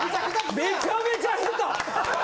・めちゃめちゃヘタ！